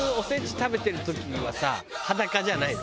食べてる時にはさ裸じゃないの？